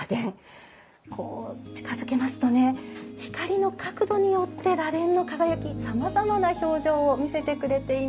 こう近づきますとね光の角度によって螺鈿の輝きさまざまな表情を見せてくれています。